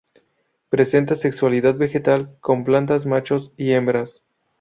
Presenta sexualidad vegetal, con plantas machos y hembras.